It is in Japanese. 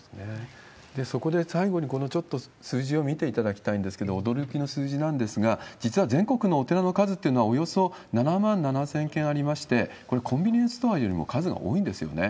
そこで、最後にちょっとこの数字を見ていただきたいんですけれども、驚きの数字なんですが、実は全国のお寺の数というのはおよそ７万７０００件ありまして、これ、コンビニエンスストアよりも数が多いんですよね。